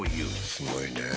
すごいね。